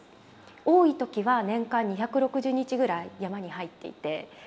多い時は年間２６０日ぐらい山に入っていて。